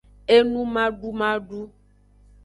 Enumadumadu.